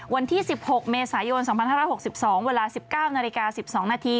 วันที่๑๖เมษายน๒๕๖๒เวลา๑๙นาฬิกา๑๒นาที